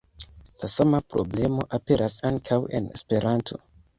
La sama problemo aperas ankaŭ en Esperanto.